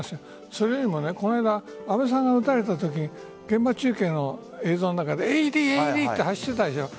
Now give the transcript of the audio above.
それよりもこの間、安倍さんが撃たれたとき現場中継の映像の中でＡＥＤと走っていたでしょう。